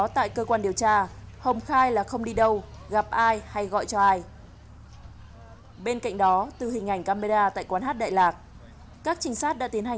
tại cơ quan điều tra hai cô tiếp viên tên liễu và hồng đều khai